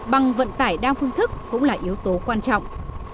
bằng vận tải đa phương thức cũng là yếu tố quan trọng